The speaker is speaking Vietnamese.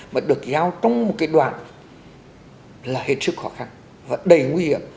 mà được giao trong một cái đoạn là hết sức khó khăn và đầy nguy hiểm